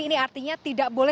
ini artinya tidak boleh